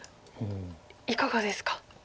いかがですか？